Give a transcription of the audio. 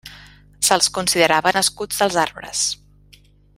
Se'ls considerava nascuts dels arbres.